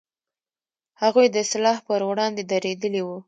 هغوی د اصلاح پر وړاندې درېدلي و.